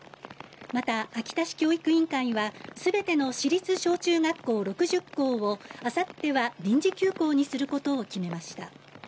また秋田市教育委員会は全ての市立小中学校６０校をあさっては臨時休校にすることを決めました。